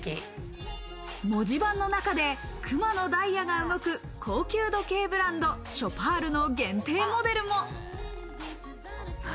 文字盤の中でクマのダイヤが動く、高級時計ブランド、ショパールの限定モデルも。